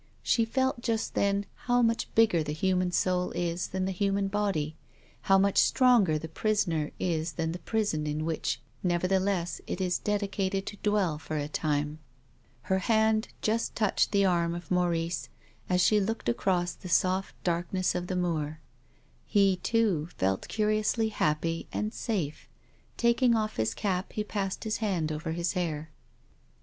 She felt just then how much bigger the human soul is than the human body, how much stronger the prisoner is than the prison in which nevertheless it is dedicated to dwell for a time. Her hand just touched the arm of Maurice as she looked across the soft darkness of the moor. He, too, felt curiously happy and safe. Taking off his cap he passed his hand over his hair.